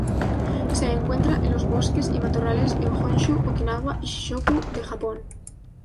Se encuentra en los bosques y matorrales en Honshu, Okinawa y Shikoku de Japón.